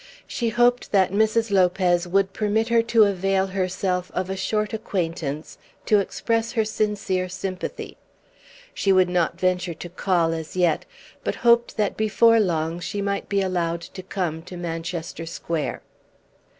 She hoped that Mrs. Lopez would permit her to avail herself of a short acquaintance to express her sincere sympathy. She would not venture to call as yet, but hoped that before long she might be allowed to come to Manchester Square.